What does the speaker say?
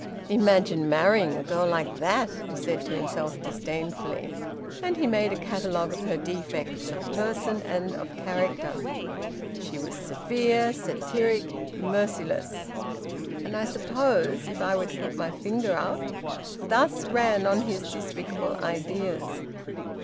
"Imagine marrying a girl like that!" he said to himself disdainfully. And he made a catalogue of her defects of person and of character. She was severe, satiric, merciless. "And I suppose if I were to put my finger up!" Thus ran on his despicable ideas.